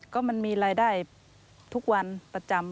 ก็มันมีรายได้ทุกวันประจำ